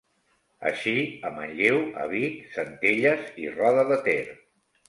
Així, a Manlleu, a Vic, Centelles i Roda de Ter.